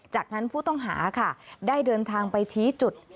จากนั้นผู้ต้องหาค่ะได้เดินทางไปชี้จุด